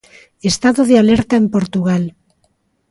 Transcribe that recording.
Estado de alerta en Portugal.